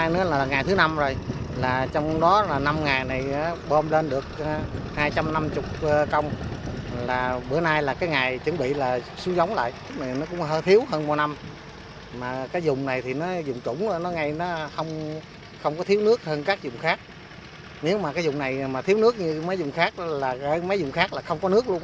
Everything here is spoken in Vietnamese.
nếu dùng này thiếu nước như mấy dùng khác là không có nước luôn